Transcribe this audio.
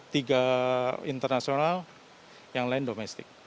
tiga internasional yang lain domestik